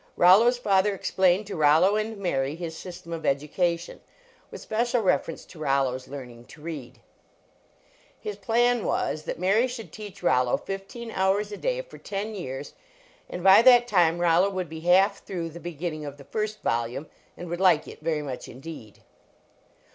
Rollo s father ex plained to Rollo and Mar} his system of edu cation, with special reference to Rollo s learn ing to read. Hi plan was that Mary should teach Rollo fifteen hours a day for ten year . 3 33 LEARNING TO READ and by that time Rollo would be half through the beginning of the first volume, and would like it very much indeed.